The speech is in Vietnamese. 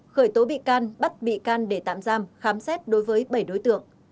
khởi tố bị can bắt bị can để tạm giam khám xét đối với bảy đối tượng